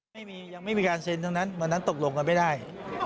ยังไม่มีการเซ็นทั้งนั้นวันนั้นตกลงกันไม่ได้